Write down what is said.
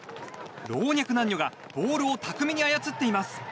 老若男女がボールを巧みに操っています。